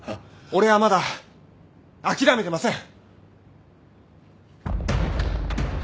俺はまだ諦めてません。